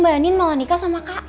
mbak andin malah nikah sama kak